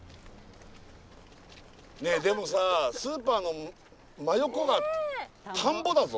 ねえでもさスーパーの真横が田んぼだぞ。